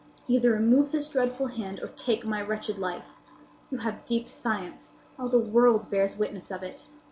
Either remove this dreadful hand, or take my wretched life! You have deep science. All the world bears witness of it.